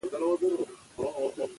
مرګ حق دی.